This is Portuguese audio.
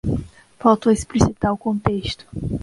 Faltou explicitar o contexto